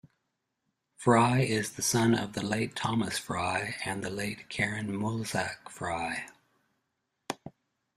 Frye is the son of the late Thomas Frye and the late Karen Mulzac-Frye.